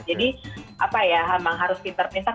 apa ya memang harus pinter pinter